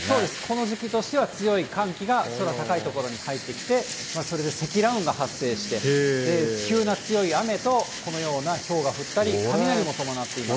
この時期としては強い寒気が空高い所に入ってきて、それで積乱雲が発生して、急な強い雨とこのようなひょうが降ったり、雷も伴っています。